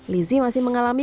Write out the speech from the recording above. lizzy masih mengalami